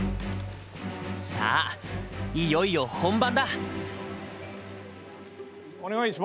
さあいよいよ本番だ。